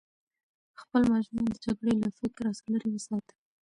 خپل ماشومان د جګړې له فکره لرې وساتئ.